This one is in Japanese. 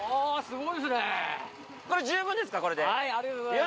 すごーい！